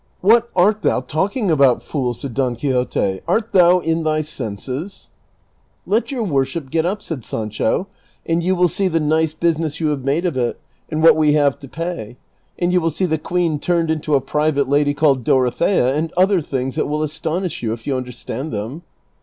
" What art thou talking about, fool ?" said Don Quixote ;" art thou in thy senses ?"" Let your Avorship get up," said Sancho, " and you Avill see the nice business you have made of it, and Avhat Ave liaA e to pay ; and you will see the queen turned into a private lady called Dorothea, and other things that Avill astonish you, if you understand them."